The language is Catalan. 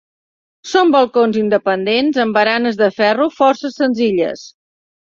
Són balcons independents amb baranes de ferro força senzilles.